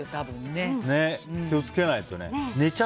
気を付けないとね。